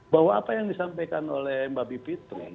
bahwa apa yang disampaikan oleh mbak bipitri